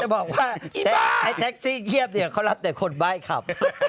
ไอ้บ้าไอ้แท็กซี่เงียบเขารับแต่คนใบขับ